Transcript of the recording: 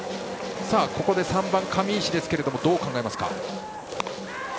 ここで３番、上石ですがどう考えますか。